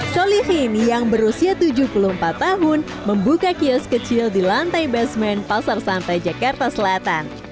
solihin yang berusia tujuh puluh empat tahun membuka kios kecil di lantai basement pasar santai jakarta selatan